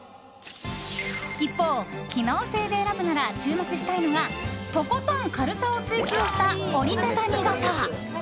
一方、機能性で選ぶなら注目したいのがとことん軽さを追求した折り畳み傘。